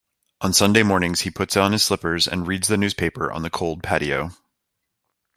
On Sunday mornings, he puts on his slippers and reads the newspaper on the cold patio.